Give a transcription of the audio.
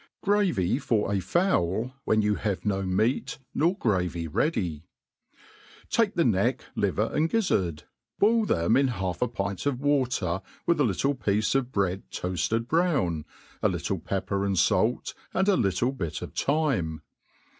Gravy for a Fowly when you have no Meat nor Gravy ready. TAKE the neck, liver, and gizzard, boil them in half a pint of water, with a little piece of bread toafted brown, a little prpper and fait, and a little bit of thyme.